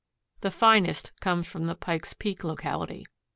The finest comes from the Pike's Peak locality.